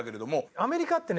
アメリカってね